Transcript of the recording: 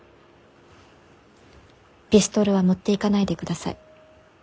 ピストルは持っていかないでください。